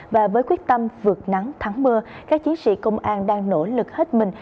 và với quyết tâm vượt nắng thắng mưa các chiến sĩ công an đang nỗ lực hết mình